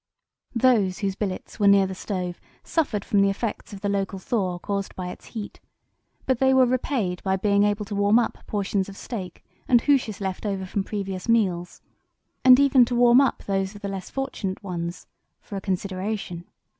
Those whose billets were near the stove suffered from the effects of the local thaw caused by its heat, but they were repaid by being able to warm up portions of steak and hooshes left over from previous meals, and even to warm up those of the less fortunate ones, for a consideration.